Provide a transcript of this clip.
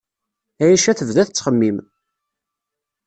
Ɛica tebda tettxemmim.